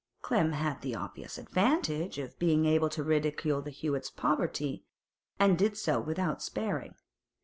Clem had the obvious advantage of being able to ridicule the Hewetts' poverty, and did so without sparing.